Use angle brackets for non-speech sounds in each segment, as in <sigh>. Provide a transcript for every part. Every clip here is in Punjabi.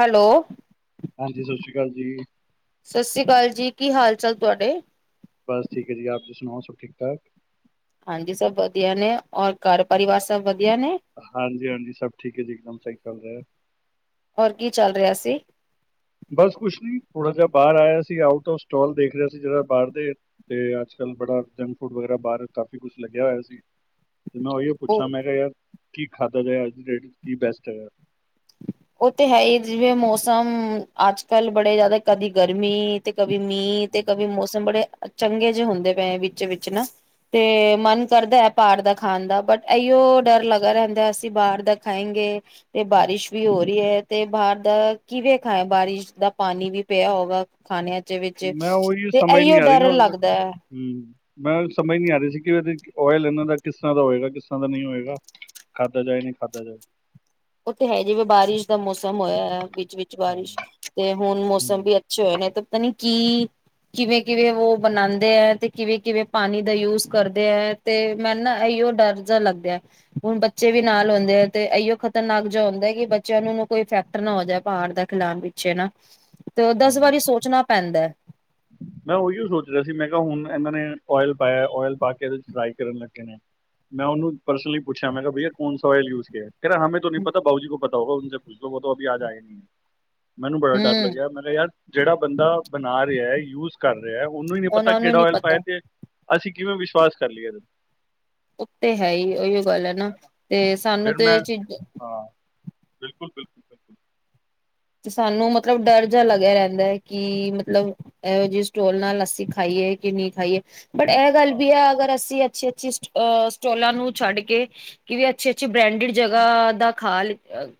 ਹੈਲੋ ਹਾਂਜੀ ਸਤਿ ਸ੍ਰੀ ਅਕਾਲ ਜੀ ਸਤਿ ਸ਼੍ਰੀ ਅਕਾਲ ਜੀ ਕੀ ਹਾਲ ਚਾਲ ਤੁਹਾਡੇ ਬਸ ਠੀਕ ਹੈ ਜੀ ਆਪ ਜੀ ਸੁਣਾਓ ਸਭ ਠੀਕ ਠਾਕ ਹਾਂਜੀ ਸਭ ਵਧੀਆ ਨੇ ਔਰ ਘਰ ਪਰਿਵਾਰ ਸਭ ਵਧੀਆ ਨੇ ਹਾਂਜੀ-ਹਾਂਜੀ, ਸਭ ਠੀਕ ਹੈ ਜੀ, ਇੱਕਦਮ ਸਹੀ ਚਲ ਰਿਹਾ। ਹੋਰ ਕੀ ਚੱਲ ਰਿਹਾ ਸੀ ਬਸ ਕੁਛ ਨ ਥੋੜਾ ਜਹਾ ਬਾਹਰ ਆਇਆ ਸੀ ਆਊਟ ਆਫ ਸਟਾੱਲ ਦੇਖ ਰਿਹਾ ਸੀ ਜਿੜਾ ਬਾਹਰ ਦੇ ਤੇ ਅੱਜ ਕੱਲ੍ਹ ਬੜਾ ਜੰਕ ਫੂਡ ਵਗੈਰਾ ਬਾਹਰ ਕਾਫੀ ਕੁਛ ਲੱਗਿਆ ਹੋਇਆ ਸੀ। ਤੇ ਮੈਂ ਉਹੀਓ ਉਹ ਪੁੱਛਾਂ ਮੈਂ ਕਿਹਾ ਯਾਰ ਕੀ ਖਾਧਾ ਜਾਏ ਅੱਜ ਦੀ ਡੇਟ ਵਿੱਚ ਕੀ ਬੈਸਟ ਹੈਗਾ ਉਹ ਤੇ ਹੈ ਹੀ ਜਿਵੇਂ ਮੌਸਮ ਅੱਜ ਕੱਲ ਬੜੇ ਜਿਆਦਾ ਕਦੀ ਗਰਮੀ ਤੇ ਕਭੀ ਮੀਂਹ ਤੇ ਕਭੀ ਮੌਸਮ ਬੜੇ ਚੰਗੇ ਜਿੇਹੇ ਹੁੰਦੇ ਪਏ ਵਿੱਚ ਵਿਚ ਨਾ ਤੇ ਮਨ ਕਰਦਾ ਹੈ ਬਾਹਰ ਦਾ ਖਾਣ ਦਾ ਬਟ ਇਓ ਡਰ ਲੱਗਗਾ ਰਹਿੰਦਾ ਅਸੀਂ ਬਾਹਰ ਦਾ ਖਾਏਗੇ ਤੇ ਬਾਰਿਸ਼ ਵੀ ਹੋ ਰਹੀ ਹੈ ਤੇ ਬਾਹਰ ਦਾ ਕਿਵੇਂ ਖਾ ਬਾਰਿਸ਼ ਦਾ ਪਾਣੀ ਵੀ ਪਿਆ ਹੋਗਾ ਖਾਣਿਆਂ ਚ ਵਿੱਚ ਮੈਂ ਉਹੀ ਤੇ ਸਮਝ ਨੀ ਇਹੀਓ ਆ ਰਹੀ ਡਰ ਨਾ, ਲੱਗਦਾ ਹੈ। ਹਮ ਮੈਂ ਉ ਸਮਝ ਨੀ ਆ ਰਹੀ ਸੀ ਕਿ ਓਇਲ ਇਹਨਾਂ ਦਾ ਕਿਸ ਤਰ੍ਹਾਂ ਦਾ ਹੋਏਗਾ, ਕਿਸ ਤਰ੍ਹਾਂ ਦਾ ਨਹੀਂ ਹੋਏਗਾ, ਖਾਧਾ ਜਾਏ ਨਹੀਂ ਖਾਧਾ ਜਾਏ। ਉਥੇ ਹੈ, ਜਿਵੇਂ ਬਾਰਿਸ਼ ਦਾ ਮੌਸਮ ਹੋਇਆ। ਵਿੱਚ ਹਾਂ, ਬਾਰਿਸ਼ ਤੇ ਹੁਣ ਮੌਸਮ ਹੂੰ, ਵੀ ਅੱਛੇ ਹੋਏ ਨੇ, ਤੇ ਪਤਾ ਨਹੀ। ਕੀ, ਕਿਵੇਂ ਕਿਵੇਂ ਉਹ ਬਣਾਉਂਦੇ ਹੈ, ਤੇ ਕਿਵੇਂ ਕਿਵੇਂ ਪਾਣੀ ਦਾ ਯੂਜ ਕਰਦੇ ਹੈ। ਤੇ ਮੈਂ ਹਾਂ, ਨਾ, ਇਹੀਓ ਡਰ ਮ ਲੱਗਦਾ ਹੁਣ ਬੱਚੇ ਵੀ ਹਾਂ। ਨਾਲ ਹਉਂਦੇ ਅ ਤੇ ਅਈਓ ਨਗ ਜਿੁੰਂਦਾ ਕਿ ਬੱਚਿਆਂ ਨੂੰ ਕੋਈ ਇਫੈਕਟ ਨਾ ਹੋ ਜਾ ਬਾਹਰ ਦਾ ਖਿਲਣ ਪਿੱਛੇ ਨਾ ਤੇ ਦਸ ਹਾਂ। ਵਾਰੀ ਸੋਚਣਾ ਪੈਂਦਾ ਮੈਂ ਉਹੀ ਸੋਚ ਰਿਹਾ ਸੀ ਮੈਂ ਕਿਹਾ ਹੁਣ ਇਹਨਾਂ ਨੇ ਓਇਲ ਪਾਇਆ ਓਇਲ ਪਾ ਕੇ ਇਹਦੇ ਚ ਫਰਾਈ ਕਰਨ ਲੱਗੇ ਨੇ ਮੈਂ ਉਹਨੂੰ ਪਰਸਨਲੀ ਪੁੱਛਿਆ ਮੈਂ ਕਿਹਾ ਬਈਆ ਕੌਣਸ ਓਇਲ ਯੂਜ ਕਿਆ ਕੇਰਾ ਸਮੇਂ ਤੋਂ ਨਹੀਂ ਪਤਾ ਭਾਊ ਜੀ ਕੋ ਪਤਾ ੳਨਸੇ ਪੁੱਛੋੋ ਵੋ ਤੋ ਅਭੀ ਆਜ ਆਏਗੇ ਮੈਨੂੰ ਬੜਾ ਡਰ ਹੂੰ ਲੱਗਿਆ ਮੇਕਾ‌ ਯਾਰ ਜਿਹੜਾ ਬੰਦਾ ਬਣਾ ਰਿਹਾ ਯੂਜ ਕਰ ਰਿਹਾ ਉਹਨੂੰ ਹੀ ਨੀ ਪਤਾ ਉਹਨਾਂ ਨੂੰ ਕਿਹੜਾ ਨੀ ਓਇਲ ਪਾਇਆ ਪਤਾ ਤੇ ਅਸੀਂ ਕਿਵੇਂ ਵਿਸ਼ਵਾਸ ਕਰ ਲਈਏ ਇਹਦੇ ਉਹ ਤੇ ਹੈ ਹੀ ਉਹੀ ਗੱਲ ਹੈ ਨਾ ਤੇ ਸਾਨੂੰ ਫਿਰ ਮੈਂ ਤੇ ਚੀਜ਼ ਹਾਂ ਬਿਲਕੁਲ ਬਿਲਕੁਲ ਬਿਲਕੁਲ ਤੇ ਸਾਨੂੰ ਮਤਲਬ ਡਰ ਜਿਹਾ ਲੱਗਿਆ ਰਹਿੰਦਾ ਹੈ ਕਿ ਮਤਲਬ ਇਹੋ ਜਿਹੇ ਸਟੋਲ ਨਾਲ ਅਸੀ ਖਾਈਏ ਕਿ ਨਹੀਂ ਖਾਈਏ ਬਟ ਇਹ ਗੱਲ ਹਾਂ ਵੀ ਹੈ ਅਗਰ ਅਸੀਂ ਅੱਛੀ ਅੱਛੀ ਸਟੋਲਾਂ ਨੂੰ ਛੱਡ ਕੇ ਕਿ ਵੀ ਅੱਛੀ ਅੱਛੀ ਬ੍ਰਾਂਡਡ ਜਗ੍ਹਾ ਦਾ ਖਾ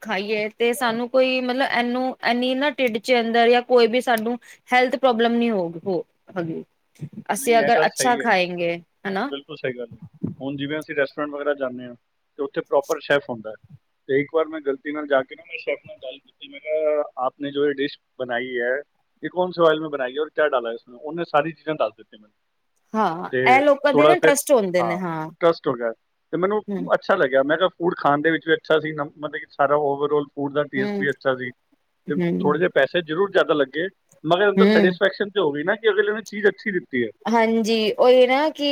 ਖਾਈਏ ਤੇ ਹਾਂ। ਸਾਨੂੰ ਕੋਈ ਮਤਲਬ ਇਹਨੂੰ ਐਨੀ ਨਾ ਟਢਿੱਡ ਚ ਅੰਦਰ ਜਾਂ ਕੋਈ ਵੀ ਸਾਨੂੰ ਹੈਲਥ ਪ੍ਰੋਬਲਮ ਨ ਹੋ ਹੋ ਹੈ ਅਸੀਂ ਨਹੀਂ ਇਹ ਅਗਰ ਗੱਲ ਅੱਛਾ ਸਹੀ ਹੈ ਖਾਏਂਗੇ, ਹੈਨਾ ਟੋਂਰੇਂਟ ਵਗੈਰਾ ਜਾਂਦੇ ਆ ਤੇ ਉੱਥੇ ਪ੍ਰੋਪਰ ਸ਼ੈਫ ਅਉਂਦਾ ਐ ਤੇ ਇੱਕ ਵਾਰ ਮੈਂ ਗਲਤੀ ਨਾਲ ਜਾ ਕੇ <unintelligible> ਸ਼ੈਫ ਨਾਲ ਗੱਲ ਕੀਤੀ, ਮੈਂ ਕਿਹਾ ਆਪ ਨੇ ਜੋ ਇਹ ਡਿਸ਼ ਬਣਾਈ ਐ, ਇਹ ਕੌਣ‌ ਸੇ ਉਏਲ ਮੇ ਬਣਾਈ ਐ ਔਰ ਕਯਾ ਡਾਲਾ ਇਸਮੇ? ਉਹਨੇ ਸਾਰੀ ਚੀਜ਼ਾਂ ਦੱਸ ਦਿੱ ਤੀ ਮੈਨੂੰ ਹਾਂ ਤੇ ਇਹ ਲੋਕਾਂ ਦੇ ਥੋੜਾ ਨਾ ਫਿਰ ਟਰਸਟ ਹੁੰਦੇ ਨੇ ਹਾਂ ਟਰਸਟ ਹੋ ਗਿਆ ਤੇ ਮੈਨੂੰ ਹਮ ਅੱਛਾ ਲੱਗਿਆ, ਮੈਂ ਕਿਹਾ ਫੂਡ ਖਾਣ ਦੇ ਵਿੱਚ ਵੀ ਅੱਛਾ ਸੀਗਾ, ਮਤਲਬ ਕਿ ਸਾਰਾ ਓਵਰਆਲ ਫੂਡ ਦਾ ਟੇਸਟ ਹਮ ਵੀ ਅੱਛਾ ਸੀ ਤੇ ਥੋੜੇ ਹਮ ਜਿਹੇ ਪੈਸੇ ਜ਼ਰੂਰ ਜ਼ਿਆਦਾ ਲੱਗੇ ਮਗਰ ਏ ਤੋ ਹਮ ਸੈਟਿਸਫੈਕਸ਼ਨ ਜੋ ਹੋਗੀ ਨਾ ਕਿ ਅਗਲੇ ਵੀ ਚੀਜ਼ ਅੱਛੀ ਦਿੱਤ ਹਾਂਜੀ, ਉਹ ਇਹ ਨਾ ਕਿ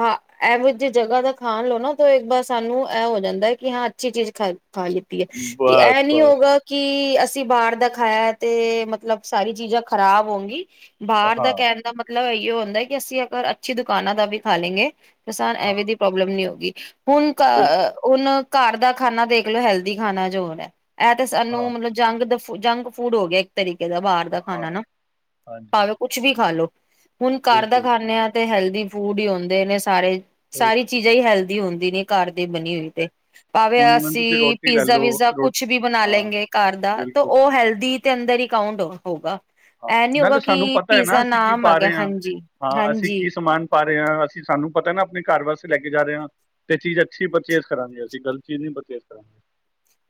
ਹਾਂ ਇਹਵੇ ਜੇ ਜਗ੍ਹਾ ਦਾ ਖਾਣ ਲੋਓ ਨਾ ਤਾਂ ਇੱਕ ਵਾਰ ਸਾਨੂੰ ਐ ਹੋ ਜਾਂਦਾ ਕਿ ਹਾਂ ਅੱਛੀ ਚੀਜ਼ ਖਾ ਖਾ ਲਿੱਤੀ ਐ, ਕਿ ਇਹ ਬਸ ਨੀ ਬਸ ਹੋਊਗਾ ਕਿ ਅਸੀਂ ਬਾਹਰ ਦਾ ਖਾ ਹੈ ਤੇ ਮਤਲਬ ਸਾਰੀ ਚੀਜ਼ਾਂ ਖ਼ਰਾਬ ਹੋਂਗੀ ਬਾਹਰ ਹਾਂ ਦਾ ਕਹਿਣ ਦਾ ਮਤ ਏਈਉ ਹੁੰਦਾ ਕਿ ਅਸੀਂ ਅਗਰ ਅੱਛੀ ਦੁਕਾਨਾਂ ਦਾ ਵੀ ਖਾ ਲਈਐ ਕਿ ਸਾਨ ਹਾਂ ਐਵੇਂ ਦੀ ਪ੍ਰੋਬਲਮ ਨੀ ਹੁੰਦੀ <unintelligible> ਹੁਣ ਕ ਬਿਲਕੁਲ, ਉਹਨਾ ਘਰ ਦਾ ਖਾਨਾ ਦੇਖਲੋ, ਹੈਲਦੀ ਖਾਣਾ ਜੋ ਹੋਰੈ ਐ ਤੇ ਸਾਨੂੰ ਹਾਂ, ਮਤਲਬ ਜੰਗ ਦ ਉਹ ਜੰਕ ਫੂਡ ਹੋ ਗਿਆ ਇੱਕ ਤਰੀ ਕੇ ਦਾ ਬਾਹਰ ਦਾ ਹਾਂ, ਖਾਣਾ ਨਾ, ਹਾਂਜੀ, ਭਾਵੇਂ ਕੁਛ ਵੀ ਖਾ ਲੋ ਹੁਣ ਕਰ ਦਾ ਬਿਲਕੁਲ, ਖਾਂਨੇ ਆ ਤੇ ਹੈਲ ਦੀ ਫੂਡ ਹੀ ਹੋਂਦੇ ਨੇ ਸਾਰੇ ਸਹੀ ਸਾਰੀ ਗੱਲ ਹੈ, ਚੀਜ਼ਾਂ ਈ ਹੈਲਦੀ ਹੁੰ ਦੀ ਨੇ ਘਰ ਦੇ ਬਣੀ ਹੋਈ ਸਹੀ। ਤੇ। ਭਾਵੇਂ ਹੁਣੇ ਮੈਨੂੰ ਤੁਸੀਂ ਅਸੀਂ ਰੋਟੀ ਲੈ ਪੀਜ਼ਾ ਲਓ, ਵੀਜ਼ਾ ਰੋ ਕੁਛ ਵੀ ਬਣਾ ਹਾਂ, ਲੈਂਗੇ ਘਰ ਦਾ ਤਾਂ ਬਿਲਕੁਲ, ਉਹ ਹੈਲਦੀ ਤੇ ਅੰਦਰ ਈ ਕਾਊਂਟ ਓਹ ਹੋਊਗਾ। ਹਾਂ, ਅਈ ਨੀ ਹੋਊਗਾ ਨਾਲੇ ਸਾਨੂੰ ਕਿ ਪਤਾ ਹੈ ਨਾ ਪੀਜ਼ਾ ਅਸੀਂ ਕੀ ਨਾਮ ਪਾ ਹੈਗਾ ਰਹੇ ਆਂ। ਹਾਂਜੀ, ਹਾਂ, ਅਸੀਂ ਹਾਂਜੀ। ਕੀ ਸਮਾਨ ਪਾ ਰਏ ਆਂ। ਅਸੀਂ ਸਾਨੂੰ ਪਤਾ ਨਾ ਆਪਣੇ ਘਰ ਵਾਸਤੇ ਲੈ ਕੇ ਜਾ ਰੇ ਆਂ ਤੇ ਚੀਜ਼ ਅੱਛੀ ਪਰਚੇਜ ਕਰਾਂਗੇ ਅਸੀਂ, ਗਲਤ ਚੀਜ਼ ਨੀ ਪਰਚੇਜ ਕਰਾਂਗੇ।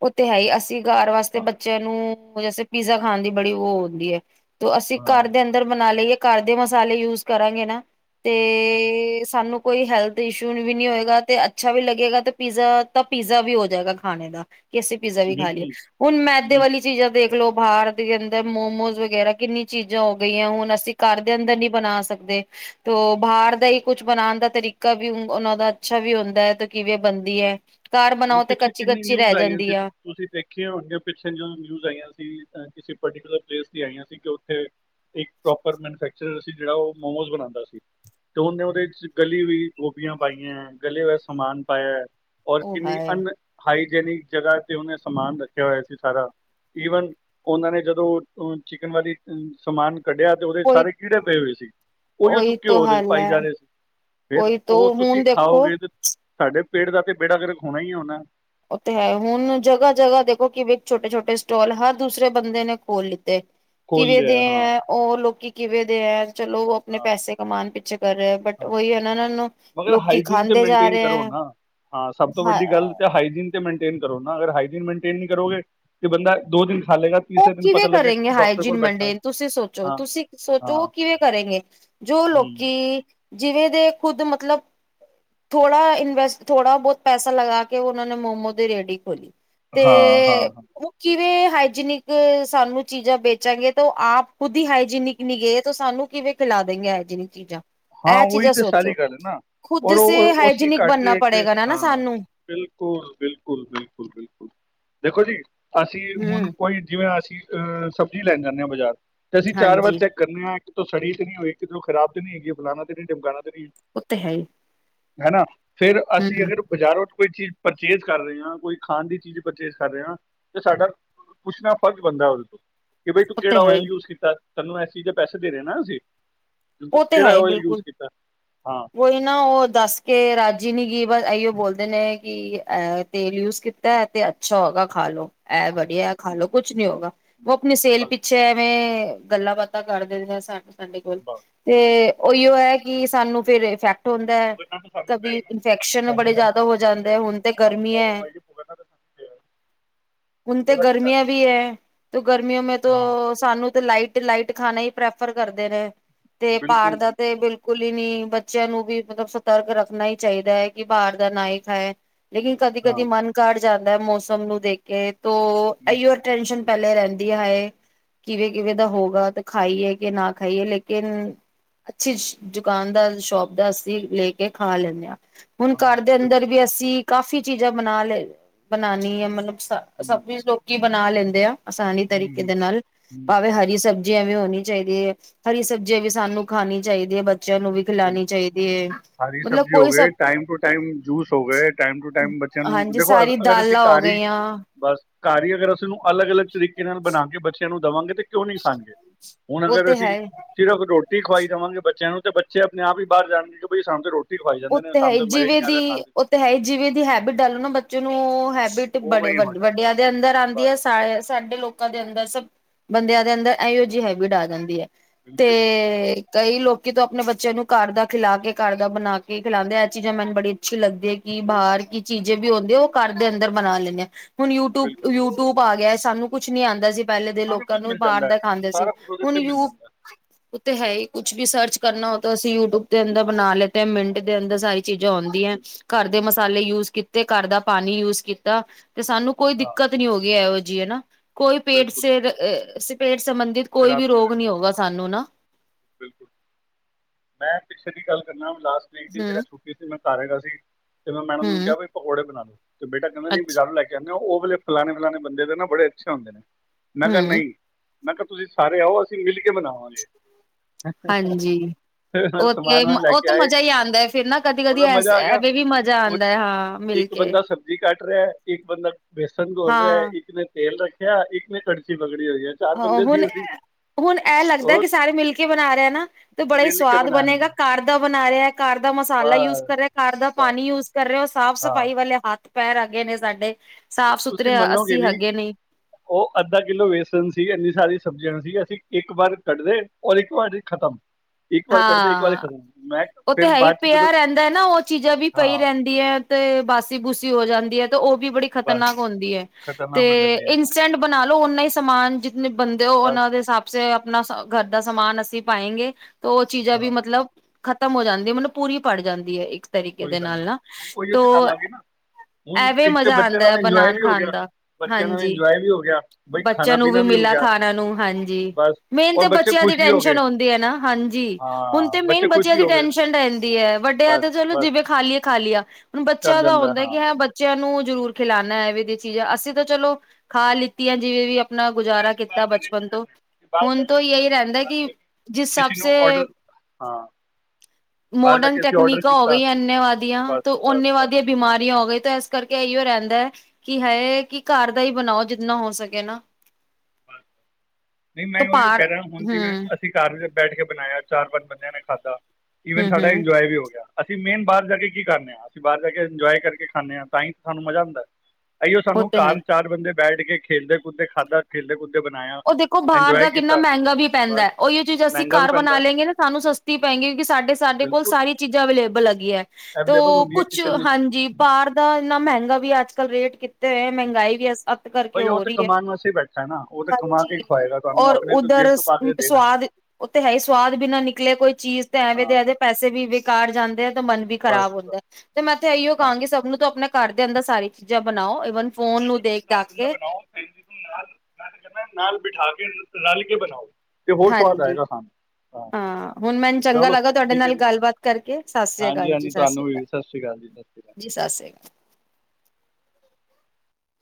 ਉਹ ਤੇ ਹੈ ਈ, ਅਸੀਂ ਘਰ ਵਾਸਤੇ ਹਾਂ, ਬੱਚਿਆਂ ਨੂੰ ਜੈਸੇ ਪੀਜ਼ਾ ਖਾਣ ਦੀ ਬੜੀ ਉਹ ਹੁੰਦੀ ਐ। ਤੇ ਅਸੀਂ ਘਰ ਹਾਂ। ਦੇ ਅੰਦਰ ਬਨਾ ਲਈਏ। ਘਰ ਦੇ ਮਸਾਲੇ ਯੂਜ ਕਰਾਂਗੇ ਨਾ ਤੇ ਸਾਨੂੰ ਕੋਈ ਹੈਲਥ ਇਸ਼ੂ ਵੀ ਨੀ ਹੋਏਗਾ ਤੇ ਅੱਛਾ ਵੀ ਲੱਗੇਗਾ ਤੇ ਪੀਜ਼ਾ ਤਾਂ ਪੀਜ਼ਾ ਵੀ ਹੋ ਜਾਏਗਾ ਖਾਣੇ ਦਾ ਕਿ ਅਸੀਂ ਪੀਜ਼ਾ ਵੀ ਖਾ ਲਿਆ ਬਿਲਕੁਲ, ਹੁਣ ਮੈਦੇ ਬਿਲਕੁਲ, ਵਾਲੀ ਚੀਜ਼ਾਂ ਤੇ ਦੇਖਲੋ ਬਾਹਰ ਦੇ ਅੰਦਰ ਮੋਮੋਜ਼ ਵਗੈਰਾ ਕਿੰਨੀ ਚੀਜ਼ਾਂ ਹੋ ਗਈਆਂ ਹੁਣ ਅਸੀਂ ਘਰ ਦੇ ਅੰਦਰ ਨੀ ਬਨਾ ਸਕਦੇ ਤੋ ਬਾਹਰ ਦਾ ਹੀ ਕੁਛ ਬਨਾਨ ਦਾ ਤਰੀਕਾ ਵੀ ਉਹਨਾਂ ਦਾ ਅੱਛਾ ਵੀ ਹੁੰਦਾ ਹੈ, ਤੇ ਕਿਵੇਂ ਬਣਦੀ ਹੈ। ਘਰ ਹੁਣ ਬਣਾਓ ਤੇ ਪਿੱਛੇ ਕੱਚੀ ਕਿੰਨੀ ਕੱਚੀ ਨਿਊਜ਼ ਰਹਿ ਜਾਂ ਆਈਆਂ ਸੀ, ਤੁਸੀਂ ਦੇਖਿਆ ਹੋਨਗੀਆਂ ਪਿੱਛੇ ਜੋ ਨਿਊਜ ਆਈਆਂ ਸੀ <unintelligible> ਕਿਸੀ ਪਰਟੀਕੂਲਰ ਪਲੇਸ ਦੀ ਆਈਆਂ ਸੀ ਕਿ ਉੱਥੇ ਇੱਕ ਪ੍ਰੋਪਰ ਮੈਨੂਫੈਕਚਰ ਸੀ ਜਿਹੜਾ ਉਹ ਮੋਮੋਜ਼ ਬਨਾਂਦਾ ਸੀ ਤੇ ਉਹਨੇ ਉਹਦੇ ਵਿੱਚ ਗਲੀ ਹੋਈ ਗੋਭੀਆਂ ਪਾਈਆਂ, ਗਲੇ ਦਾ ਸਮਾਨ ਪਾਇਆ ਐ। ਉਹ ਕਿੰਨੀ ਹੈ ਅਨ ਹਾਈਜੇਨਿਕ ਜਗ੍ਹਾ ਤੇ ਉਹਨੇ ਸਮਾਨ ਰੱਖਿਆ ਹੋਇਆ ਸੀ ਸਾਰਾ, ਈਵਨ ਉਹਨਾਂ ਨੇ ਜਦੋਂ ਚਿਕਨ ਵਾਲੀ ਸਮਾਨ ਕੱਢਿਆ ਤੇ ਉਹਦੇ ਕੋਈ ਸਾਰੇ ਕੀੜੇ ਪਏ ਹੋਏ ਸੀ, ਉਹੀਓ ਉਹੀ ਚੁੱਕ ਕੇ ਉਹ ਤੋਂ ਉਹਦੇ ਚ ਹੱਲ ਪਾਈ ਹੈ ਜਾ ਰਿਹਾ ਸੀ ਫਿਰ ਉਹੀ ਤੋਂ ਉਹ ਤੁਸੀਂ ਹੁਣ ਦੇਖੋ ਖਾਓਗੇ ਤੇ ਸਾਡੇ ਪੇੜ ਦਾ ਤੇ ਬੇੜਾ ਗਰਕ ਹੋਣਾ ਹੀ ਹੋਣਾ ਐ। ਉਹ ਤੇ ਹੈ, ਹੁਣ ਜਗ੍ਹਾ ਜਗ੍ਹਾ ਦੇਖੋ ਕਿਵੇਂ ਛੋਟੇ ਛੋਟੇ ਸਟੋਲ ਹਰ ਦੂਸਰੇ ਬੰਦੇ ਨੇ ਖੋਲ ਲਿ ਤੇ ਖੋਲ ਕਿਵੇਂ ਦੇ ਲਿਆ ਹਾਂ ਐ ਉਹ ਲੋਕੀ ਕਿਵੇਂ ਦੇ ਐ। ਚਲੋ ਉਹ ਆਪਣੇ ਹਾਂ ਪੈਸੇ ਕਮਾਨ ਪਿੱਛੇ ਕਰ ਰਿਹਾ ਬਟ ਹਾਂ ਉਹੀ ਹੈ ਨਾ ਇਹਨਾਂ ਨੂੰ ਮਗਰ ਲੋਕੀ ਹਾਈਜੀਨ ਤੇ ਖਾਂਦੇ ਜਾ ਮੇਨਟੇਨ ਰਹੇ ਕਰੋ ਐ ਨਾ ਹਾਂ ਸਭ ਤੋਂ ਵੱਡੀ ਗੱਲ <unintelligible> ਤੇ ਹਾਈਜੀਨ ਮੇਨਟੇਨ ਕਰੋ ਨਾ, ਅਗਰ ਹਾਈਜੀਨ ਮਨਟੇਨ ਨਹੀਂ ਕਰੋਗੇ ਕਿ ਬੰਦਾ ਦੋ ਦਿਨ ਖਾ ਲੇਗਾ ਉਹ ਤੀਸਰੇ ਦਿਨ ਪਤਾ ਕਿਵੇਂ ਲੱਗੇ ਕਰੇਗੇ ਡਾਕਟਰ ਕੋਲ ਹਾਈਜੀਿਨ ਬੈਠਾ ਹੈ। ਮੰਡੇਨ ਤੁਸੀਂ ਸੋਚੋ ਹਾਂ ਤੁਸੀਂ ਸੋਚੋ ਉਹ ਹਾਂ ਕਿਵੇਂ ਕਰੇਗੇ, ਜੋ ਹੂੰ ਲੋਕੀ ਜਿਵੇਂ ਦੇ ਖੁਦ ਮਤਲਬ ਥੋੜਾ ਇਨਵੈਸਟ, ਥੋੜਾ ਬਹੁਤ ਪੈਸਾ ਲਗਾ ਕੇ ਉਹਨਾਂ ਨੇ ਮੋਮੋ ਦੀ ਰੇਡੀ ਖੋਲੀ ਤੇ ਹਾਂ ਹਾਂ ਹਾਂ। ਉਹ ਕਿਵੇਂ ਹਾਈਜੀਨਿਕ ਸਾਨੂੰ ਚੀਜ਼ਾਂ ਵੇਚਾਂਗੇ ਤਾਂ ਉਹ ਆਪ ਖੁਦ ਹੀ ਹਾਈਜੀਨਿਕ ਨੀ ਗਏ ਤਾਂ ਸਾਨੂੰ ਕਿਵੇਂ ਖਿਲਾ ਦੇਗੇ ਹਾਈਜੀਨਿਕ ਚੀਜ਼ਾਂ। ਹਾਂ ਇਹ ਉਹੀ ਚੀਜ਼ਾਂ ਤੇ ਸਾਰੀ ਸੋਚੋ ਗੱਲ ਹੈ ਨਾ। ਖੁਦ ਔਰ ਸੇ ਉਹ ਅਸੀ ਹਾਈਜੀਨਿਕ ਘੱਟ ਬਣਨਾ ਰੇਟ ਤੇ ਪੜੇਗਾ ਨਾ ਨਾ ਹਾਂ ਸਾਨੂੰ ਬਿਲਕੁਲ-ਬਿਲਕੁਲ, ਬਿਲਕੁਲ-ਬਿਲਕੁਲ। ਦੇਖੋ ਜੀ ਅਸੀਂ ਹੁਣ ਹੂੰ ਕੋਈ ਜਿਵੇਂ ਅਸੀਂ ਅ ਸਬਜ਼ੀ ਲੈਨ ਜਾਂਨੇ ਆਂ ਬਾਜ਼ਾਰ। ਤੇ ਅਸੀਂ ਚਾਰ ਵਾਰ ਹਾਂਜੀ ਚੈੱਕ ਕਰਨੇ ਆਂ। ਸੜੀ ਤੇ ਨਹੀਂ ਹੋਈ ਕਿਧਰੋਂ ਖਰਾਬ ਤੇ ਨਹੀਂ ਹੈਗੀ। ਫਲਾਣਾ ਤੇ ਨਹੀਂ ਡਿਮਕਾਨਾ। ਉਹ ਤੇ ਹੈ ਹੀ। ਹੈਨਾ। ਫੇਰ ਅਸੀਂ ਹੂੰ ਅਗਰ ਬਜ਼ਾਰੋਂ ਕੋਈ ਚੀਜ਼ ਪਰਚੇਜ਼ ਕਰ ਰਏ ਆਂ, ਕੋਈ ਖਾਣ ਦੀ ਚੀਜ਼ ਪਰਚੇਜ ਕਰ ਰਏ ਆਂ ਤੇ ਸਾਡਾ ਪੁੱਛਨਾ ਫ਼ਰਜ਼ ਬਣਦਾ ਉਹਦੇ ਤੋਂ। ਕਿ ਬਈ ਤੂੰ ਉਹ ਕਿਹੜ ਤੇ ਹੈ ਔਇਲ ਹੀ ਯੂਜ਼ ਕੀਤੈ। ਤੇਨੂੰ ਐ ਚੀਜ਼ ਦੇ ਪੈਸੇ ਦੇ ਰਹੇ ਨਾ ਅਸੀਂ। ਉਹ <unintelligible> ਹੈ ਬਿਲਕੁਲ। ਯੂਜ ਕੀਤਾ ਹਾਂ ਕੋਈ ਨਾ ਉਹ ਦੱਸ ਕੇ ਰਾਜੀ ਨੀਗੀ। ਬਸ ਏਈਔ ਬੋਲਦੇ ਨੇ ਕਿ ਐ ਤੇਲ ਯੂਜ ਕੀਤਾ ਐ ਤੇ ਅੱਛਾ ਹੋਗਾ ਖਾ ਲੋ। ਐ ਬਸ ਵਧੀਐ ਖਾ ਲੋ ਕੁਛ ਨੀ ਹੋਊਗਾ। ਉਹ ਅਪਣੀ ਸੇਲ ਬਸ ਪਿੱਛੇ ਐਵੇਂ ਗੱਲਾਂ ਬਾਤਾਂ ਕਰ ਦਿੰਦੇ ਆਂ ਸਾ ਤਾਡੇ ਕੋੋਲ ਬਸ ਤੇ ਸਹੀ ਗੱਲ ਔਈਔ ਐ ਕਿ ਸਾਨੂੰ ਫੇਰ ਏ ਫੈਕ ਦਾ ਐ। ਭੁਗਤਣਾ ਤਾਂ ਸਾਨੂੰ ਕਭੀ ਪਏਗਾ ਨਾ ਇਨਫੈਕਸ਼ਨ ਸਾਡੇ ਬੜੇ ਹੈਲਥ ਜ਼ਿਆਦਾ ਇਸ਼ੂ ਹੋ ਹੋਣ ਜਾਂਦੇ ਕੇ ਐ। ਹੁਣ ਤੇ ਸਾਨੂੰ ਗਰਮੀਆਂ ਪ੍ਰੋਬਲਮ ਐ। ਆਈ ਭੁਗਤਣਾ ਤਾਂ ਸਾਨੂੰ ਪਏਗਾ ਹੁਣ ਤੇ ਉਹਦਾ ਕੀ ਕਰਨਾ ਗਰਮੀਆਂ ਵੀ ਐ ਤੋ ਗਰਮੀਔ ਮੇ ਤੋ ਹਾਂ ਸਾਨੂੰ ਤੇ ਲਾਈਟ ਤੇ ਲਾਈਟ ਖਾਣਾ ਈ ਪ੍ਰੈਫਰ ਕਰਦੇ ਨੇ। ਤੇ ਬਾਹਾਰ ਦਾ ਤੇ ਬਿਲਕੁਲ ਈ ਨੀ ਬੱਚਿਆਂ ਨੂੰ ਵੀ ਮਤਲਬ ਸਤਰਕ ਰੱਖਣਾ ਈ ਚਾਈਦੈ ਕਿ ਬਾਹਰ ਦਾ ਨਾ ਹੀ ਖਾਏ। ਲੇਕਿਨ ਕਦੀ, ਹਾਂ ਕਦੀ ਮਨ ਕਰ ਜਾਂਦਾ ਐ ਮੌਸਮ ਨੂੰ ਦੇਖ ਕੇ ਤੋ ਹੂੰ, ਅਈਔ ਟੈਨਸ਼ਨ ਪਹਿਲੇ ਰਹਿੰਦੀ ਆ ਹਾਏ ਕਿਵੇਂ-ਕਿਵੇਂ ਦਾ ਹੋਗਾ ਤੇ ਖਾਈਏ ਕਿ ਨਾ ਖਾਈਏ ਲੇਕ ਕਿਨ ਅੱਛੀ ਸ਼ ਜੁਕਾਨ ਦਾ, ਸ਼ੋਪ ਦਾ ਅਸੀਂ ਲੈ ਕੇ ਖਾ ਲੈਂਨੇ ਆਂ। ਹੁਣ ਹਾਂ ਘਰ ਦੇ ਅੰਦਰ ਬਿਲਕੁਲ ਵੀ ਅਸੀਂ ਕਾਫ਼ੀ ਚੀਜ਼ਾਂ ਬਣਾ ਲੈ, ਬਣਾਣੀ ਆ ਮਤਲਬ ਸ ਹੂੰ ਸਭ ਵਿੱਚ ਲੋਕੀ ਬਣਾ ਲੈਂਦੇ ਆ। ਆਸਾਨੀ ਹੂੰ ਤਰੀਕੇ ਹੂੰ, ਦੇ ਨਾਲ, ਹੂੰ ਭਾਵੇਂ ਹਰੀ ਸਬ ਜਿ ਐਵੇਂ ਹੋਣੀ ਚਾਈਦੀ ਏ। ਹਰੀ ਸਬਜ਼ੀਆਂ ਵੀ ਸਾਨੂੰ ਖਾਣੀ ਚਾਹੀਦੀ ਐ, ਬ ਬਿਲ ਹਰੀ ਮਤਲਬ ਸਬਜ਼ੀ ਹੋ ਕੋਈ ਗਏ, ਸਬ ਟਾਈਮ ਟੂ ਟਾਈਮ ਜੂਸ ਹੋ ਗਏ, ਟਾਈਮ ਟੂ ਟਾਈਮ ਬੱਚਿਆਂ ਨੂੰ ਹਾਂਜੀ ਦੇਖੋ ਅ ਸਾਰੀ ਅਗਰ ਅਸੀਂ ਦਾਲਾਂ ਹੋ ਘਾਰ ਈ ਗਈਆਂ ਬਸ ਘਾਰ ਈ ਅਗਰ ਅਸੀਂ ਏਨੂੰ ਅਲੱਗ-ਅਲੱਗ ਤਰੀਕੇ ਨਾਲ ਬਣਾ ਕੇ ਬੱਚਿਆਂ ਨੂੰ ਦੇਵਾਂਗੇ ਤੇ ਕਿਉਂ ਨਈ ਖਾਣਗੇ। ਹੁਣ ਉਹ ਅਗਰ ਤੇ ਅਸੀਂ ਹੈ ਚਿਰਾਂ ਤੋ <unintelligible> ਤੇ ਖਵਾਈ ਜਾਵਾਂਗੇ ਬੱਚਿਆਂ ਨੂੰ ਤੇ ਬੱ ਚੇ ਅਪਨੇ ਆਪ ਈ ਬਾਹਰ ਜਾਣਗੇ ਕੇ ਬਈ ਸਾਂਨ ਤੇ ਰੋ ਓ ਤੇ ਹੈ ਈ ਜਿਵੇਂ ਦੀ, ਓ ਤੇ ਹੈ ਈ ਜਿਵੇਂ ਦੀ ਹੈਬਿਟ ਡਾਲੋ ਨਾ ਬੱਚੇ ਨੂੰ ਉਹ ਹੈ ਬਿਟ ਉਵੇਂ ਬੜੇ ਹੀ ਹੋ ਜਾਂਦਾ ਹੈ। ਵੱਡ-ਵੱਡਿਆਂ ਹਾਂ ਦੇ ਅੰਦਰ ਆਂਦੀ ਬਸ ਐ, ਸ-ਏ-ਸਾਡੇ ਲੋਕਾਂ ਦੇ ਅੰਦ ਬ ਸਬ ਬੰਦਿਆਂ ਦੇ ਅੰਦਰ ਏਈਓ ਜਿਹੀ ਹੈਵਿਡ ਆ ਜਾਂਦੀ ਐ। ਬਿਲਕੁਲ ਬਿਲਕੁਲ ਤੇ ਕਈ ਲੋਕ ਕਿ ਤੋ ਆਪਣੇ ਬੱਚਿਆਂ ਨੂੰ ਘਰ ਦਾ ਖਿਲਾ ਕੇ, ਘਰ ਦਾ ਬਣਾ ਕੇ ਕੀ ਖਿਲਾਂਦੇ, ਏਹ ਚੀਜ਼ਾਂ ਮੈਨ ਬੜੀ ਅੱਛੀ ਲੱਗਦੀ ਹੈ, ਕਿ ਹਾਂ ਬਾਹਰ ਹਾਂ ਕੀ ਚੀਜ਼ੇ ਵੀ ਆਉਂਦੇ ਹੋ ਘਰ ਦੇ ਅੰਦਰ ਬਣਾ ਲੈਂਨੇ ਆਂ। ਹੁਣ ਯੂਟੂਬ, ਬਿਲਕੁਲ ਯੂਟੂਬ ਆ ਗਿਆ ਏਸ ਸਾਨੂੰ ਕੁਛ ਨੀ ਆਂਦਾ ਸੀ ਪਹਿਲੇ ਦੇ ਸਾਰਾ ਲੋਕਾਂ ਕੁਝ ਨੂੰ ਮਿਲ ਬਾਹਰ ਜਾਂਦਾ ਹੈ ਦਾ ਖਾਂਦੇ ਸੀ, ਸਾਰਾ ਕੁਝ ਉਹਦੇ ਹੁਣ ਤੇ ਮਿਲ ਯੂ ਜਾਂਦਾ ਹੈ ਉੱਤੇ ਹੈ ਈ ਕੁੱਛ ਵੀ ਸਰਚ ਹਾਂ ਕਰਨਾ ਓ ਤਾਂ ਅਸੀਂ ਯੂਟੂਬ ਤੇਅੰਦ ਬਣਾ ਲੇ ਤੇ ਮਿੰਟ ਦੇ ਅੰਦਰ ਸਾਰੀ ਬਸ ਚੀਜ਼ਾਂ ਆਉਂਦੀਐ। ਬਿਲ ਘਰ ਦੇ ਮਸ ਸਾਲੇ ਯੂਜ਼ ਕੀਤੇ, ਘਰ ਦਾ ਪਾਣੀ ਯੂਜ਼ ਕੀਤਾ ਤੇ ਸਾਨੂੰ ਕੋਈ ਹਾਂ ਦਿੱਕਤ ਨੀ ਹੋਗੀ ਐਵ ਜੀ ਐ ਨਾ। ਕੋਈ ਪੇੜ ਬਿਲਕੁਲ ਸੇਦ-ਅ-ਸ ਸੰਬੰਧਿਤ ਕੋਈ ਵੀ ਖਰਾਬ ਨਹੀਂ ਰੋਗ ਹੋਏਗਾ ਨੀ ਹੋਊਗਾ ਹਾਂ ਸਾਨੂੰ ਨਾ। ਬਿਲਕੁਲ। ਮੈਂ ਪਿੱਛੇ ਦੀ ਗੱਲ ਕਰਨਾ ਵਾਂ ਲਾਸਟ ਡੀਟ ਦੀ ਮੇਰਾ ਹੂੰ। ਛੁੱਟੀ ਸੀ ਮੈਂ ਘਰ ਹੈਗਾ ਸੀ। ਤੇ ਮੈ ਮੈੜਮ ਨੂੰ ਹੂੰ ਕਿਆ ਵੀ ਪਕੋੜੇ ਬਣਾ ਦੋ। ਤੇ ਬੇਟਾ ਕੈਂਦਾ ਨੀ ਅੱਛਾ ਬਜ਼ਾਰੋਂ ਲੈ ਕੇ ਆਨ ਉਹ ਵਲੇ ਫਲਾਣੇ, ਫਲਾਣੇ ਬੰਦੇ ਦੇ ਨਾ ਬੜੇ ਅੱਛੇ ਹੋਂਦੇ ਨੇ। ਮੈਂ ਕਿਆ ਹੂੰ ਨਈਂ। ਮੈਂ ਕਿਆ ਤੁਸੀਂ ਸਾਰੇ ਆਓ, ਅਸੀਂ ਮਿਲ ਕੇ ਬਨਾਵਾਂਗੇੇ। ਹਾਂਜੀ, ਉਹ ਤੇ ਸਮਾਨ ਵਾਨ ਲੈ ਉਹ ਕੇ ਤੇ ਆਏ ਮਜ਼ਾ ਈ ਆਂਦਾ ਐ। ਫਿਰ ਨਾ ਕਦੀ ਕਦੀ ਉਹਦਾ ਐਸ ਮਜ਼ਾ ਆ ਗਿਆ ਐਵੇਂ ਵੀ ਮਜ਼ਾ ਆਂਦਾ ਐ, ਹਾਂ ਮਿਲ ਕੇ। ਰਹਿ ਇੱਕ ਬੰਦਾ। ਬੇਸਨ ਘੋਲ ਰਿਹਾ ਹਾਂ। ਇੱਕ ਨੇ ਤੇਲ ਰੱਖ ਕਿਆ ਇੱਕ ਨਹੀਂ ਕੜਛੀ ਪਕੜ ਲੀ ਆਹ ਹੁਣ ਏ-ਹੁਣ ਏਹ ਲੱਗਦੈ ਉਹ ਕਿ ਸਾਰੇ ਮਿਲ ਕੇ ਵ ਬਣਾ ਰਿਹਾ ਨਾ ਤੇ ਬੜਾ ਹੀ ਮਿਲ ਕੇ ਸਵਾਦ ਬਣਾ ਰਹੇ ਬਣੇਗਾ। ਹਾਂ ਘਰ ਦਾ। ਬਣਾ ਰਿਹਾ। ਘਰ ਦਾ ਮਸਾਲਾ ਯੂਜ ਬਸ ਕਰ ਰਿਹਾ। ਘਰ ਦਾ ਬਸ ਪਾਣੀ ਯੂਜ ਕਰ ਰਿਹਾ ਹੋ ਉਹ। ਸਾਫ਼ ਸਫ਼ਾਈ ਵਾਲੇ ਹੱਥ ਪੈਰ ਆ ਗਏ ਨੇ ਸਾਡੇ। ਉਹ ਸਾਫ਼ ਤੁਸੀਂ ਸੁਥਰੇ ਮੰਨੋਗੇ ਅਸੀਂ ਨੀ ਹੈਗੇ ਨੇ ਉਹ ਅੱਧਾ ਕਿੱਲੋ ਵੇਸ ਸੀ ਇੰਨੀ ਸਾਰੀ ਸਬਜ਼ੀਆਂ ਸੀ ਅਸੀਂ ਇੱਕ ਵਾਰ ਕੱਢਦੇ ਔਰ ਇੱਕ ਵਾਰੀ ਖਤਮ। ਇੱਕ ਵਾਰ ਕੱਢਦੇ ਇੱਕ ਵਾਰ 'ਚ ਹਾਂ। ਖਤਮ ਮੈਂ ਉਹ ਤੇ ਫਿਰ ਹੈ ਹੀ ਬਾਅਦ 'ਚ ਜਦੋਂ ਪਿਆ ਰਹਿੰਦਾ ਨਾ ਉਹ ਚੀਜ਼ਾਂ ਵੀ ਪਈ ਹਾਂ ਰਹਿੰਦੀ ਐ। ਤੇ ਬਾਸੀ ਬੂਸੀ ਹੋ ਜਾਂ ਦੀ ਐ ਤੇ ਉਹ ਵੀ ਬੜੀ ਬਸ ਖ਼ਤਰਨਾਕ ਹੁੰਦੀ ਹੈ। ਤੇ ਖਤਰਨਾਕ ਹੋ ਜਾਂਦੀ ਹੈ ਇੰਸਟੈਂਟ ਬਣਾ ਲੋ ਓਨਾ ਹੀ ਸਮਾਨ। ਜਿਨੇ ਬਣਦੇ ਹੋ ਬਸ ਉਹਨਾਂ ਦੇ ਹਿਸਾਬ ਸੇ ਆਪਣਾ। ਘਰ ਦਾ ਸਮਾਨ ਅਸੀਂ ਪਾਏਂ ਗੇ। ਤਾਂ ਉਹ ਚੀਜ਼ਾਂ ਹਾਂ ਵੀ ਮਤਲਬ। ਖ਼ਤਮ ਹੋ ਜਾਂਦੀ ਹੈ। ਮੈਨੂੰ ਪੂਰੀ ਪੜ ਜਾਂਦੀ ਐ ਇਕ। ਤਰੀਕੇ ਉਹੀ ਦੇ ਪੈ ਨਾਲ ਜਾਂਦੀ ਨਾ ਹੁਣ ਉਹੀਓ ਤੋ ਤਾਂ ਗੱਲ ਆ ਗਈ ਨਾ ਹੁਣ ਐਵੇਂ ਇੱਕ ਤਾਂ ਮਜ਼ਾ ਬੱਚਿਆਂ ਆਂਦਾ ਹੈ। ਨਾਲ ਇੰਜੋਏ ਬਨਾਨ ਵੀ ਹੋ ਖਾਨ ਗਿਆ ਦਾ। ਬੱਚਿਆਂ ਨਾਲ ਹਾਂਜੀ ਇੰਜੋਏ ਵੀ ਹੋ ਗਿਆ ਬਈ ਬੱਚਿਆਂ ਖਾਣਾ ਨੂੰ ਪੀਣਾ ਵੀ ਹੋ ਮਿਲਾ ਗਿਆ ਖਾਣਾ ਨੂੰ ਹਾਂਜੀ। ਬਸ ਮੇਨ ਔਰ ਤੇ ਬੱਚੇ ਬੱਚਿਆਂ ਦੀ ਖੁਸ਼ ਵੀ ਹੋ ਗਏ ਟੈਸ਼ਨ ਆਉਂਦੀ ਹੈ ਨਾ ਹਾਂ <unintelligible> ਹੁਣ ਹਾਂ ਤੇ ਬੱਚੇ ਮੇਨ ਖੁਸ਼ ਬੱਚਿਆਂ ਵੀ ਦੀ ਹੋ ਗਏ ਟੈਨਸ਼ਨ ਰਹਿੰਦੀ ਹੈ। ਵੱਡੇ ਬਸ ਦੇ ਬਸ ਚ ਖਾ ਲੀਆ, ਖਾ ਲੀਆ, ਹੁਣ ਚੱਲ ਬੱਚਿਆਂ ਦਾ ਜਾਂਦਾ ਹੁੰਦਾ ਹਾਂ ਕਿ ਹੈਂ, ਬੱਚਿਆਂ ਨੂੰ, ਜ਼ਰੂਰ ਖਿਲਾਣਾ ਇਵੇਂ ਦੀ ਚੀਜ਼ਾਂ ਅਸੀਂ ਤਾਂ, ਚਲੋ ਖਾ ਲਿੱਤੀਆਂ ਜਿਵੇਂ ਵੀ ਆਪਣਾ ਫਿਰ ਗੁਜ਼ਾਰਾ ਅਸੀਂ ਬਾਹਰ ਕੀਤਾ ਜਾ ਕੇ ਕੀ ਬਚਪਨ ਤੋਂ, ਕਰਨਾ ਹੈ? ਅਸੀਂ ਬਾਹਰ ਜਾ ਹੁਣ ਕੇ ਤੋਂ ਕੀ ਕਰਨਾ ਇਹੀ ਹੈ? ਅਸੀਂ ਰਹਿੰਦਾ ਬਾਹਰ ਜਾ ਕਿ ਕੇ ਜਿਸ ਸਾਬ ਕਿਸੇ ਨੂੰ ਏ ਆਰਡਰ ਹਾਂ ਬਾਹਰ ਜਾ ਮੋਡਨ ਕੇ ਅਸੀਂ ਆਰਡਰ ਤਕਨੀਕਾਂ ਹੋ ਕੀਤਾ ਗਈਆਂ, ਅੰਨੇ ਵਾਦੀਆਂ ਬਸ ਤੇ, ਬਸ ਬਸ ਓਨੇਵਾਦੀਆ ਬਿਮਾਰੀਆਂ ਹੋ ਗਈਆ ਤਾਂ, ਇਸ ਕਰਕੇ ਇਹੀਓ ਰਹਿੰਦਾ ਹੈ। ਕਿ ਹੈ ਕਿ ਘਰ ਦਾ ਹੀ ਬਣਾਓ ਜਿੰਨਾ ਹੋ ਸਕੇ ਨਾ ਬਸ। ਨਹੀਂ, ਤਾਂ ਮੈਂ ਉਹੀਓ ਪਾਰ ਕਹਿ ਰਿਹਾ ਹੁਣ, ਜਿਵੇਂ ਹਮ ਅਸੀਂ ਕਾਰਰਜ ਬੈਠ ਕੇ ਬਣਾਇਆ, ਚਾਰ -ਪੰਜ ਬੰਦਿਆਂ ਨੇ ਖਾਧਾ। ਈਵਨ ਹੂੰ ਸਾਡਾ ਹੂੰ ਇੰਜੋਏ ਵੀ ਹੋ ਗਿਆ। ਅਸੀਂ ਮੇਨ ਬਾਹਰ ਜਾ ਕੇ ਕੀ ਕਰਨੇ ਹਾਂ, ਅਸੀਂ ਬਾਹਰ ਜਾ ਕੇ ਇੰਜੋਏ ਕਰਕੇ ਖਾਂਦੇ ਆਂ, ਹਾਂ ਤਾਂ ਹੀ ਸਾਨੂੰ ਮਜ਼ਾ ਹੁੰਦਾ। ਅਇਓ, ਉਹ ਸਾਨੂੰ ਤੇ ਘਰ ਹੈ। ਚਾਰ ਬੰਦੇ ਬੈਠ ਕੇ ਖੇਲਦੇ ਕੁੱਦੇ ਖਾਧਾ ਖੇਲਦੇ ਕੁਦਦੇ ਬਣਾਏ। ਉਹ ਦੇਖੋ ਬਾਹਰ ਦਾ ਕਿੰਨਾ ਮਹਿੰਗਾ ਵੀ ਬਸ ਪੈਂਦਾ, ਉਹੀ ਚੀਜ਼ ਅਸੀਂ ਮਹਿੰਗਾ ਵੀ ਘਰ ਬਣਾ ਪੈਂਦਾ ਲੈਂਗੇ, ਨਾ ਸਾਨੂੰ ਸਸਤੀ ਪਏਗੀ। ਕਿਉਂਕਿ ਸਾਡੇ ਸਾਡੇ ਕੋਲ ਬਿਲਕੁਲ ਸਾਰੀ ਚੀਜ਼ਾਂ ਅਵੇਲੇਬਲ ਹੈਗੀ ਹੈ, ਅਵੇਲੇਬਲ ਤੋਂ ਹੁੰਦੀ ਹੈ ਕੁਛ ਕਿਚਨ ਵਿੱਚ ਹਾਂਜੀ ਬਾਹਰ ਦਾ ਇੰਨਾ ਮਹਿੰਗਾ ਵੀ ਅੱਜ ਕੱਲ ਰੇਟ ਤੇ, ਮਹਿੰਗਾਈ ਵੀ ਅਸ ਅੱਤ ਕਰਕੇ ਬਈ ਉਹ ਹੋ ਤੇ ਰਹੀ ਹੈ। ਕਮਾਉਣ ਵਾਸਤੇ ਹੀ ਬੈਠਾ ਹੈ ਨਾ ਉਹ ਤੇ ਕਮਾ ਕੇ ਹਾਂਜੀ, ਖਵਾਏਗਾ ਤੁਹਾਨੂੰ ਔਰ ਆਪਣੇ ਤੋਂ ਜੇਬ ਉਧਰ ਤੋਂ ਪਾ ਕੇ ਦੇਗਾ ਨਹੀਂ ਸਵਾਦ ਉਹ ਤੇ ਹੈ ਹੀ ਸਵਾਦ ਵੀ ਨਾ ਨਿਕਲੇ ਕੋਈ ਚੀਜ਼ ਤੇ, ਐਵੇਂ ਹਾਂ ਦੇ ਪੈਸੇ ਵੀ ਬੇਕਾਰ ਜਾਂਦੇ ਆ ਮਨ ਵੀ ਖਰਾਬ ਬਸ ਬਸ ਹੁੰਦਾ, ਤੇ ਮੈਂ ਤੇ ਇਹੀਓ ਹਾਂ ਕਹਾਂਗੀ, ਸਭ ਨੂੰ ਤਾਂ ਆਪਣਾ ਘਰ ਦੇ ਅੰਦਰ ਸਾਰੀ ਚੀਜ਼ਾਂ ਬਣਾਓ। ਈਵਨ ਕ ਦਾ ਫੋਨ ਨੂੰ ਦੇਖ ਦਾਖ ਕੇ <unintelligible> ਨਾਲ ਬਿਠਾ ਕੇ ਲ ਰਲ ਕੇ ਬਣਾਓ। ਤੇ ਹੋਰ ਸਵਾਦ ਹਾਂਜੀ ਆਏਗਾ ਖਾਣ ਨੂੰ। ਹਾਂ ਹੁਣ ਮੈਨੂੰ ਚੰਗਾ ਚਲੋ ਲੱਗਾ ਤੁਹਾਡੇ ਠੀਕ ਹੈ ਨਾਲ ਜੀ ਗੱਲਬਾਤ ਕਰਕੇ ਸਤਿ ਸ੍ਰੀ ਹਾਂਜੀ ਅਕਾਲ ਜੀ, ਹਾਂਜੀ ਸਤਿ ਸ੍ਰੀ ਤੁਹਾਨੂੰ ਅਕਾਲ ਵੀ ਸਤਿ ਸ਼੍ਰੀ ਅਕਾਲ ਜੀ ਸਤਿ ਸ਼੍ਰੀ ਅਕਾਲ ਜੀ, ਸਤਿ ਸ੍ਰੀ ਅਕਾਲ